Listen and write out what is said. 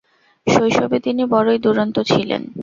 শৈশবে তিনি বড়ই দুরন্ত ছিলেন।